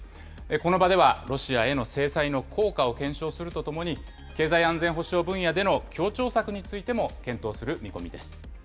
この場では、ロシアへの制裁の効果を検証するとともに、経済安全保障分野での協調策についても検討する見込みです。